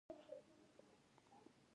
ایا ستاسو مخ به سپین وي؟